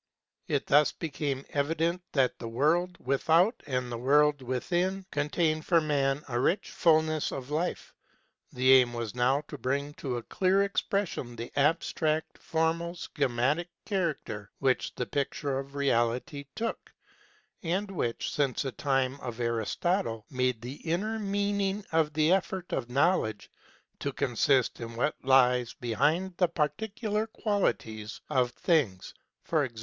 It thus became evi dent that the world without and the world within contain for man a rich fulness of life; the aim was now to bring to a clear expression the abstract, formal, schematic character which the picture of Reality took, and which, since the time of Aristotle, made the inner meaning of the effort of knowledge to consist in what lies behind the particular qualities of things, i. e.